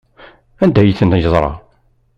Anda ay ten-yeẓra?